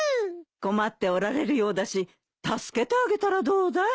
困っておられるようだし助けてあげたらどうだい？